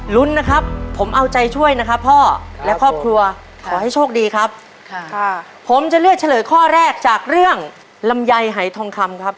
ลุ้นนะครับผมเอาใจช่วยนะครับพ่อและครอบครัวขอให้โชคดีครับค่ะผมจะเลือกเฉลยข้อแรกจากเรื่องลำไยหายทองคำครับ